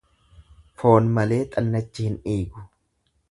Foon malee xannachi hin dhiigu.